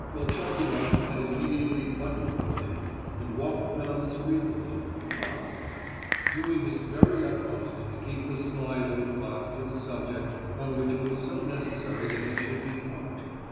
Velchaninoff had immediately button holed him, and walked down the street with him, talking; doing his very utmost to keep the sly old fox to the subject on which it was so necessary that he should be pumped.